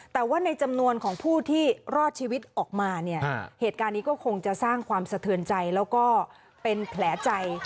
แต่ว่าในจำนวนของผู้ที่รอดชีวิตออกมาเนี่ยเหตุการณ์นี้ก็คงจะสร้างความสะเทือนใจแล้วก็เป็นแผลใจ